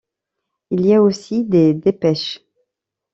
Il y a aussi des dépêches.